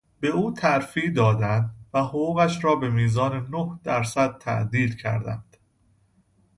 به او ترفیع دادند و حقوقش را به میزان نه درصد تعدیل کردند.